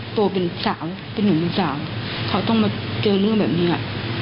โตเป็นหนึ่งสาวเขาต้องมาเจอเรื่องแบบนี้